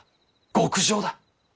極上だ。